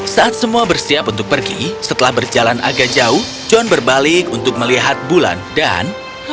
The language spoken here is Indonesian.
saat semua bersiap untuk pergi setelah berjalan agak jauh john berbalik untuk melihat bulan dan